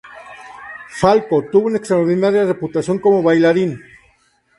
Falco tuvo una extraordinaria reputación como bailarín.